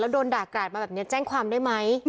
โดนด่ากราดมาแบบนี้แจ้งความได้ไหม